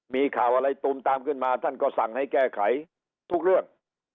มีข่าวอะไรตูมตามขึ้นมาท่านก็สั่งให้แก้ไขทุกเรื่อง